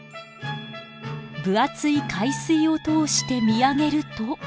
分厚い海水を通して見上げると。